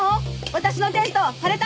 私のテント張れたの？